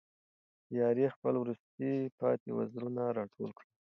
تیارې خپل وروستي پاتې وزرونه را ټول کړل.